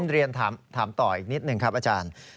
เรียนถามต่ออีกนิดหนึ่งครับอาจารย์